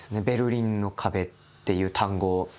ベルリンの壁っていう単語を。